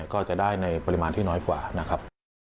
ก็จะได้ในปริมาณที่น้อยกว่า